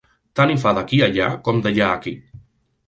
Tant hi ha d'aquí a allà com d'allà a aquí.